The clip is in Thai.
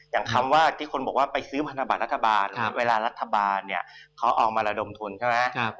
คำว่าที่คนบอกว่าไปซื้อพันธบัตรรัฐบาลเวลารัฐบาลเนี่ยเขาเอามาระดมทุนใช่ไหม